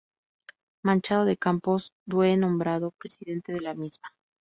Machado de Campos due nombrado presidente de la misma.